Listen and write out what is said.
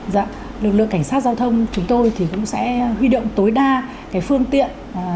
dạ lực lượng cảnh sát giao thông chúng tôi thì cũng sẽ huy động tối đa cái phương tiện